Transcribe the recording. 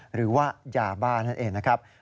หรือว่ายาบ้านั่นเองนะครับ